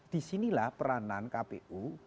disinilah peranan kpu